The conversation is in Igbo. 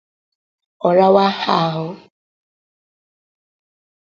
Ọ rawa ha ahụ